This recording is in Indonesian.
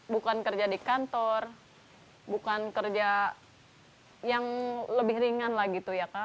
bukan kerja di kantor bukan kerja yang lebih ringan lah gitu ya kak